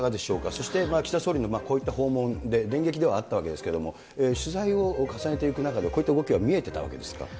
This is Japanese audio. そして、岸田総理のこういった訪問で、電撃ではあったわけですけれども、取材を重ねていく中で、こういった動きは見えてたわけですか。